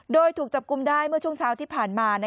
โดยถูกจับกลุ่มได้เมื่อช่วงเช้าที่ผ่านมา